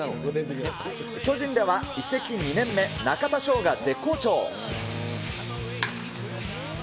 巨人では、移籍２年目、中田翔が絶好調。